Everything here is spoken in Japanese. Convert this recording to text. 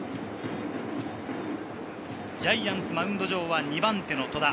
ジャイアンツ、マウンド上は２番手の戸田。